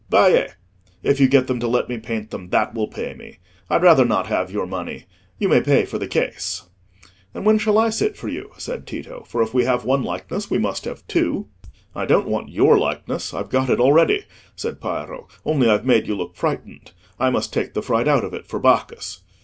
"Baie! If you get them to let me paint them, that will pay me. I'd rather not have your money: you may pay for the case." "And when shall I sit for you?" said Tito; "for if we have one likeness, we must have two." "I don't want your likeness; I've got it already," said Piero, "only I've made you look frightened. I must take the fright out of it for Bacchus."